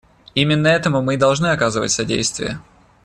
Именно этому мы и должны оказывать содействие.